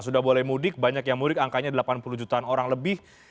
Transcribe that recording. sudah boleh mudik banyak yang mudik angkanya delapan puluh jutaan orang lebih